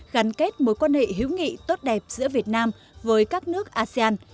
gắn kết mối quan hệ hữu nghị tốt đẹp giữa việt nam với các nước asean